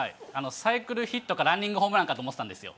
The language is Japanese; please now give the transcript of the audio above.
サイクルヒットかランニングホームランかと思ってたんですよ。